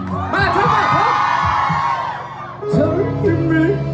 ฉันที่มีกลุ่มพิมพ์ไว้